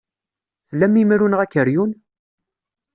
Tlam imru neɣ akeryun?